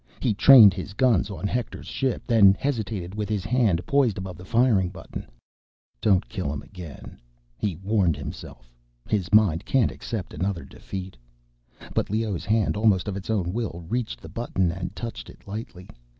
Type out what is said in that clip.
He trained his guns on Hector's ship, then hesitated with his hand poised above the firing button. Don't kill him again, he warned himself. His mind can't accept another defeat. But Leoh's hand, almost of its own will, reached the button and touched it lightly.